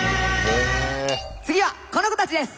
次はこの子たちです！